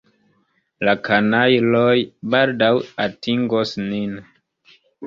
La kanajloj baldaŭ atingos nin.